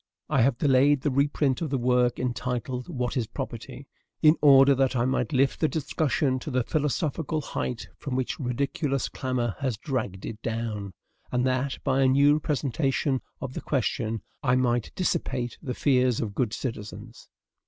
I have delayed the reprint of the work entitled "What is Property?" in order that I might lift the discussion to the philosophical height from which ridiculous clamor has dragged it down; and that, by a new presentation of the question, I might dissipate the fears of good citizens.